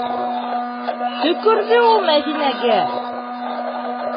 Төкөрҙө ул Мәҙинәгә!